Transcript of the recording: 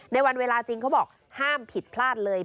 ในวันเวลาจริงเขาบอกห้ามผิดพลาดเลย